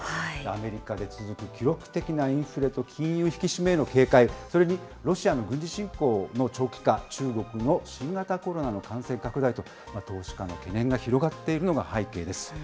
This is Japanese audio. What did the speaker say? アメリカで続く記録的なインフレと金融引き締めへの警戒、それにロシアへの軍事侵攻の長期化、中国の新型コロナの感染拡大と、投資家の懸念が広がっているのが背景です。